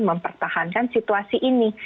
mempertahankan situasi ini